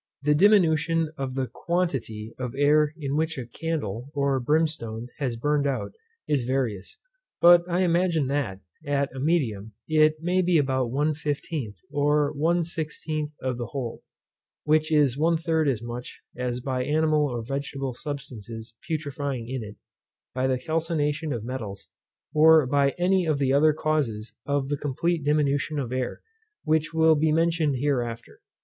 The diminution of the quantity of air in which a candle, or brimstone, has burned out, is various; But I imagine that, at a medium, it may be about one fifteenth, or one sixteenth of the whole; which is one third as much as by animal or vegetable substances putrefying in it, by the calcination of metals, or by any of the other causes of the complete diminution of air, which will be mentioned hereafter.